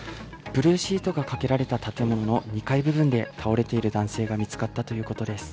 ブルーシートがかけられた建物の２階部分で、倒れている男性が見つかったということです。